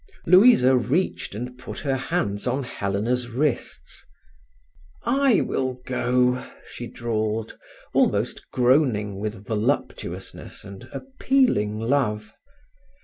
Louisa reached and put her hands on Helena's wrists. "I will go," she drawled, almost groaning with voluptuousness and appealing love.